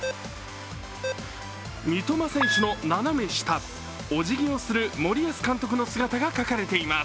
三笘選手の斜め下、お辞儀をする森保監督の姿が描かれています。